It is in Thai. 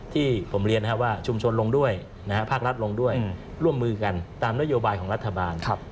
ที่ผมเรียนนะครับว่าชุมชนลงด้วยภาครัฐลงด้วยร่วมมือกันตามนโยบายของรัฐบาล